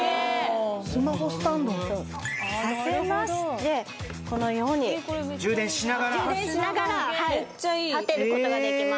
あスマホスタンドにさせましてこのように充電しながら充電しながらはい立てることができます